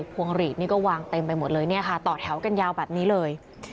พวงหลีดนี่ก็วางเต็มไปหมดเลยเนี่ยค่ะต่อแถวกันยาวแบบนี้เลย